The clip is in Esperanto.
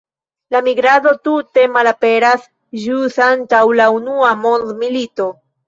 La migrado tute malaperas ĵus antaŭ la Unua mondmilito.